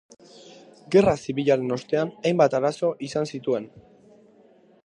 Gerra Zibilaren ostean hainbat arazo izan zituen.